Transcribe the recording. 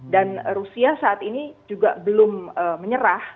dan rusia saat ini juga belum menyerah